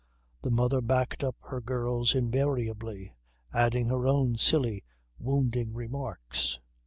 The mother backed up her girls invariably, adding her own silly, wounding remarks.